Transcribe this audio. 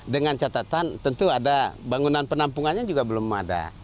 dengan catatan tentu ada bangunan penampungannya juga belum ada